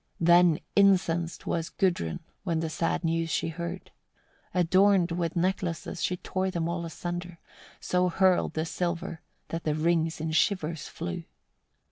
44. Then incensed was Gudrun, when the sad news she heard: adorned with necklaces, she tore them all asunder; so hurled the silver, that the rings in shivers flew.